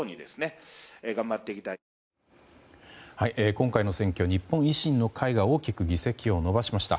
今回の選挙日本維新の会が大きく議席を伸ばしました。